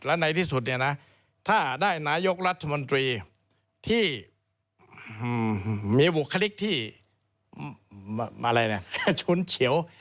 และในที่สุดเนี่ยนะถ้าได้นายกรัฐมนตรีที่มีบุคลิกที่ชุนเฉียว